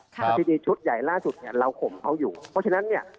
แล้วทีนี้ชุดใหญ่ล่าสุดเนี่ยเราข่มเอาอยู่เพราะฉะนั้นเนี่ย